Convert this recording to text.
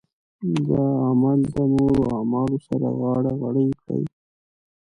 دا عمل د نورو اعمالو سره غاړه غړۍ کړي.